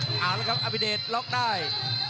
โอ้โหแล้วครับพี่เดชน์ล๊อคได้